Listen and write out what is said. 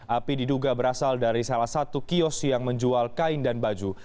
api diduga berasal dari salah satu kios yang menjual kain dan baju